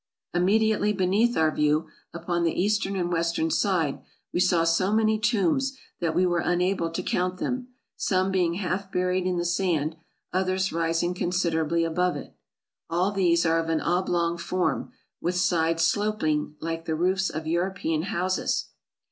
Immediately beneath our view, upon the eastern and western side, we saw so many tombs that we were unable to count them, some being half buried in the sand, others rising considerably above it. All these are of an oblong form, with sides sloping like the roofs of European houses.